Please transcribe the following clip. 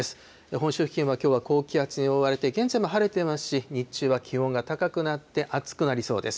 本州付近はきょうは高気圧に覆われて、現在も晴れていますし、日中は気温が高くなって暑くなりそうです。